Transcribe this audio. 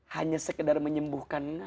hanya sekedar menyembuhkan